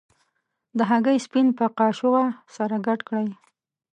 د هګۍ سپین په کاشوغه سره ګډ کړئ.